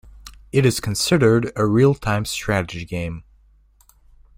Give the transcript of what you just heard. It is considered a real-time strategy game.